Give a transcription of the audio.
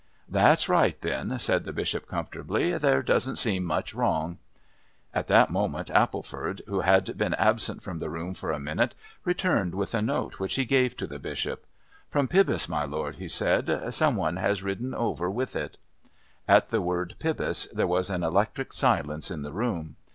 "That's right, then," said the Bishop comfortably. "There doesn't seem much wrong." At that moment Appleford, who had been absent from the room for a minute, returned with a note which he gave to the Bishop. "From Pybus, my lord," he said; "some one has ridden over with it." At the word "Pybus" there was an electric silence in the room.